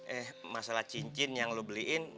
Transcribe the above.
eh masalah cincin yang lo beliin